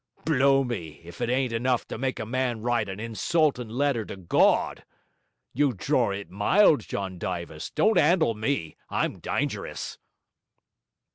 Blow me, if it ain't enough to make a man write an insultin' letter to Gawd! You dror it mild, John Dyvis; don't 'andle me; I'm dyngerous.'